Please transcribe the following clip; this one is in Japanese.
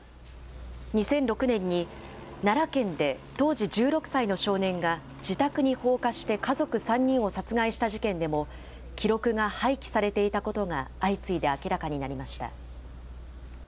２００６年に奈良県で当時１６歳の少年が自宅に放火して家族３人を殺害した事件でも、記録が廃棄されていたことが相次いで明らかになりました。